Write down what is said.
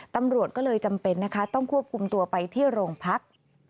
ตำรวจก็เลยจำเป็นนะคะต้องควบคุมตัวไปที่โรงพัก